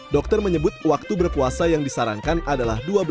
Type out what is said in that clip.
dokter menyebut waktu berpuasa yang disarankan adalah